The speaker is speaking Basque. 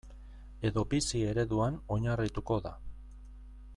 Edo bizi ereduan oinarrituko da.